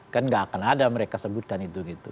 kan nggak akan ada mereka sebutkan itu gitu